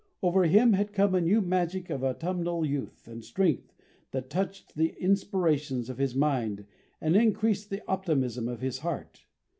Over him had come a new magic of autumnal youth and strength that touched the inspirations of his mind and increased the optimism of his heart.